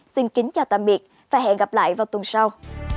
xin kính chào tạm biệt và hẹn gặp lại vào tuần sau